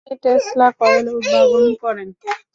তিনি Tesla coil উদ্ভাবন করেন।